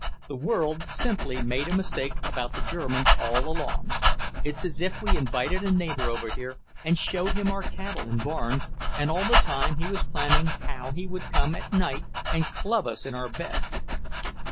The world simply made a mistake about the Germans all along. It's as if we invited a neighbour over here and showed him our cattle and barns, and all the time he was planning how he would come at night and club us in our beds."